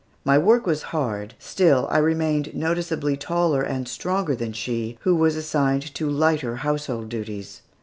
My work was hard, still I remained noticeably taller and stronger than she, who was assigned to lighter household duties.